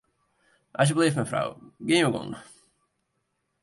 Asjebleaft mefrou, gean jo gong.